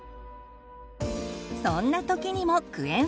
そんな時にもクエン酸。